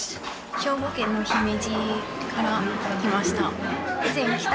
兵庫県の姫路から来ました。